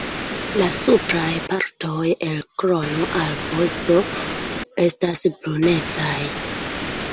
La supraj partoj el krono al vosto estas brunecaj.